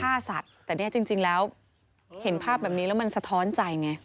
ฆ่าสัตว์แต่เนี่ยจริงแล้วเห็นภาพแบบนี้แล้วมันสะท้อนใจไง